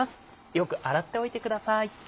よく洗っておいてください。